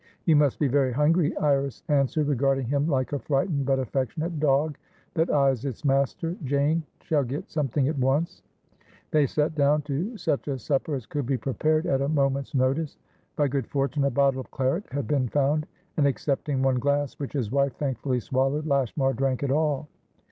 "You must be very hungry," Iris answered, regarding him like a frightened but affectionate dog that eyes its master. "Jane shall get something at once." They sat down to such a supper as could be prepared at a moment's notice. By good fortune, a bottle of claret had been found, and, excepting one glass, which his wife thankfully swallowed, Lashmar drank it all.